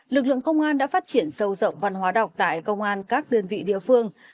lực lượng công an đã phát triển sâu rộng văn hóa đọc tại công an các đơn vị địa phương